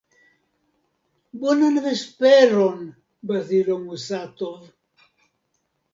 Bonan vesperon, Bazilo Musatov.